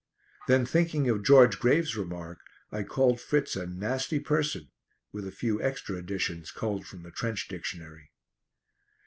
Then thinking of George Grave's remark, I called Fritz a "nasty person," with a few extra additions culled from the "trench dictionary."